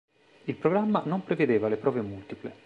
Il programma non prevedeva le prove multiple.